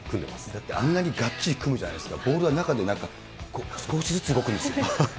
だって、あんなにがっちり組むじゃないですか、ボールが中で少しずつ動くんですよ。